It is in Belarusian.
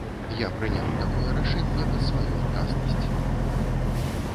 Я прыняў такое рашэнне пад сваю адказнасць.